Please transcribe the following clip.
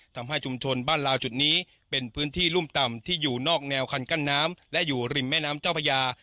ทำให้ชุมชนบ้านลาวจุดนี้เป็นพื้นที่รุ่มต่ำที่อยู่นอกแนวคันกั้นน้ำและอยู่ริมแม่น้ำเจ้าพญา